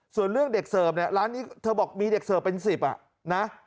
ส่วนเรื่องเด็กเสิร์ฟเนี่ยร้านนี้เธอบอกมีเด็กเสิร์ฟเป็น๑๐อ่ะนะ